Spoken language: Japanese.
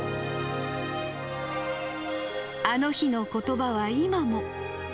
あの日の言葉は今も。